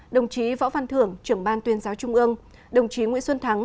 đồng chí võ văn thưởng trưởng ban tuyên giáo trung ương đồng chí nguyễn xuân thắng